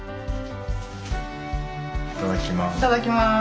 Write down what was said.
いただきます。